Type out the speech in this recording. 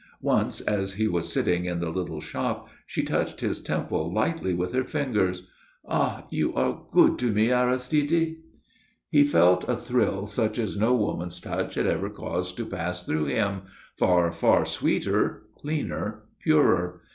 Once, as he was sitting in the little shop, she touched his temple lightly with her fingers. "Ah, you are good to me, Aristide." He felt a thrill such as no woman's touch had ever caused to pass through him far, far sweeter, cleaner, purer.